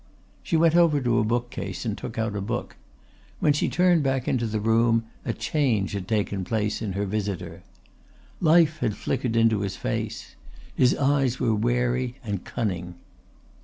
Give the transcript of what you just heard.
She went over to a book case and took out a book. When she turned back into the room a change had taken place in her visitor. Life had flickered into his face. His eyes were wary and cunning.